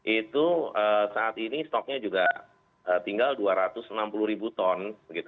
itu saat ini stoknya juga tinggal dua ratus enam puluh ribu ton